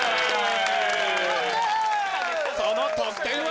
その得点は？